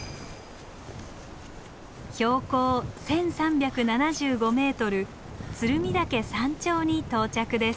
標高１，３７５ｍ鶴見岳山頂に到着です。